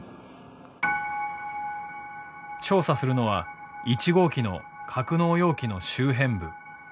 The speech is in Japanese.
調査するのは１号機の格納容器の周辺部。